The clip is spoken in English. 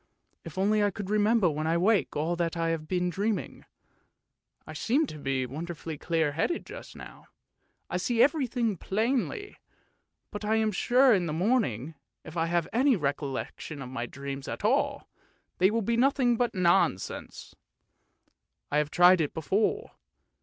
If only I could remember when I wake all that I have been dreaming. I seem to be wonderfully clear headed just now; I see everything plainly, but I am sure in the morning, if I have any recollection of my dreams at all, they will be nothing but nonsense. I have tried it before.